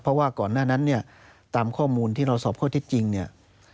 เพราะว่าก่อนหน้านั้นเนี่ยตามข้อมูลที่เราสอบข้อเท็จจริงเนี่ย